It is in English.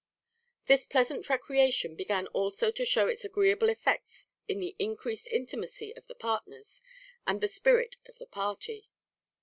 This pleasant recreation began also to show its agreeable effects in the increased intimacy of the partners and the spirit of the party.